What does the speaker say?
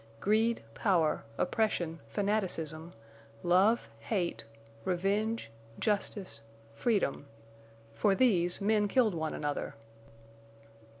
Greed, power, oppression, fanaticism, love, hate, revenge, justice, freedom—for these, men killed one another.